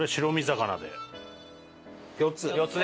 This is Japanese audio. ４つ。